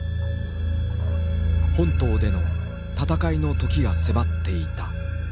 本島でのたたかいの時が迫っていた。